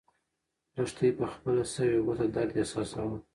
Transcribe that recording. لښتې په خپله سوې ګوته درد احساساوه.